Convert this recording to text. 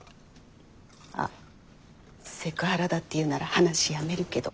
あっセクハラだって言うなら話やめるけど。